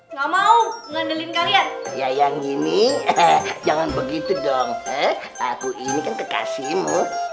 nggak mau ngandelin kalian ya yang gini jangan begitu dong aku ini kan kekasihmu